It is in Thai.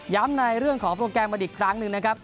ในเรื่องของโปรแกรมมาอีกครั้งหนึ่งนะครับ